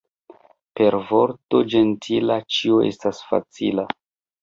Per vorto ĝentila ĉio estas facila.